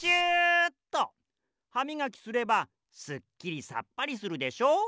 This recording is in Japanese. ハミガキすればすっきりさっぱりするでしょう？